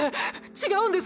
違うんです